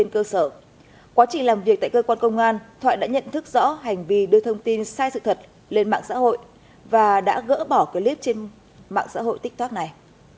khi làm việc tại cơ quan công an thoại đã nhận thức rõ hành vi đưa thông tin sai sự thật lên mạng xã hội và đã gỡ bỏ clip trên mạng xã hội tiktok này